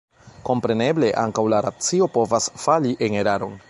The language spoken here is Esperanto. Kompreneble, ankaŭ la racio povas fali en eraron.